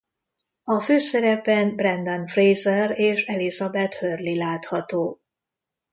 A főszerepben Brendan Fraser és Elizabeth Hurley látható.